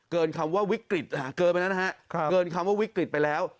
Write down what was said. คำว่าวิกฤตเกินไปแล้วนะฮะเกินคำว่าวิกฤตไปแล้ว